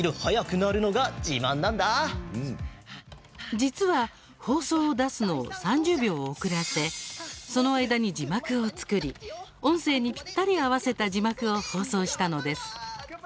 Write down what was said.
実は放送を出すのを３０秒遅らせその間に字幕を作り音声にぴったり合わせた字幕を放送したのです。